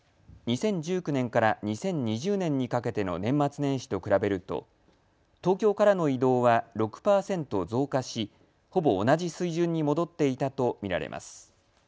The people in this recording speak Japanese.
２０１９年から２０２０年にかけての年末年始と比べると東京からの移動は６％増加しほぼ同じ水準に戻っていたと見られます。